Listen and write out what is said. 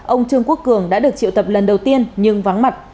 ông trương quốc cường đã được triệu tập lần đầu tiên nhưng vắng mặt